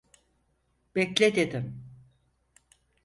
Bekle dedim!